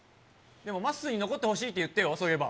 でも、まっすーに残ってほしいって言ってよ、そういえば。